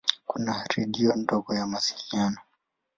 Kuna redio ndogo ya mawasiliano.